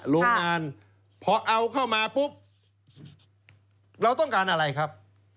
โรงงานพอเอาเข้ามาปุ๊บเราต้องการอะไรครับ